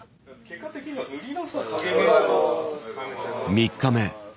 ３日目。